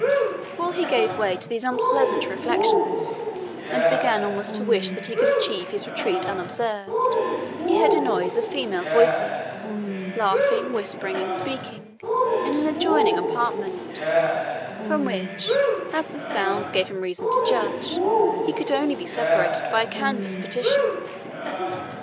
While he gave way to these unpleasant reflections, and began almost to wish that he could achieve his retreat unobserved, he heard a noise of female voices, laughing, whispering, and speaking, in an adjoining apartment, from which, as the sounds gave him reason to judge, he could only be separated by a canvas partition.